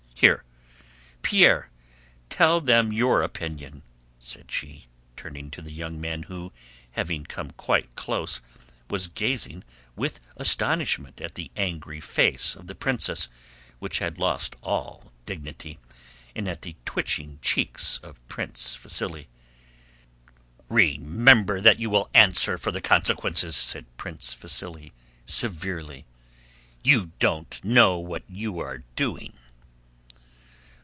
Here, Pierre, tell them your opinion," said she, turning to the young man who, having come quite close, was gazing with astonishment at the angry face of the princess which had lost all dignity, and at the twitching cheeks of Prince Vasíli. "Remember that you will answer for the consequences," said Prince Vasíli severely. "You don't know what you are doing."